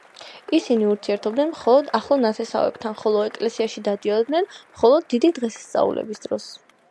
ისინი ურთიერთობდნენ მხოლოდ ახლო ნათესავებთან, ხოლო ეკლესიაში დადიოდნენ მხოლოდ დიდი დღესასწაულების დროს.